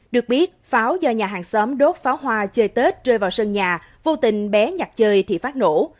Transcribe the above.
được biết pháo do nhà hàng xóm đốt pháo hoa chơi tết rơi vào sân nhà vô tình bé nhặt chơi thì phát nổ